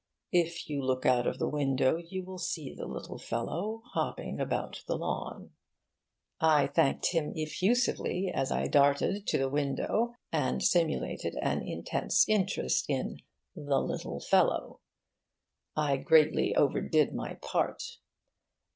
If you look out of the window you will see the little fellow hopping about on the lawn.' I thanked him effusively as I darted to the window, and simulated an intense interest in 'the little fellow.' I greatly overdid my part.